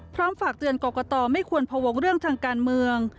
ฝากเตือนกรกตไม่ควรพวงเรื่องทางการเมือง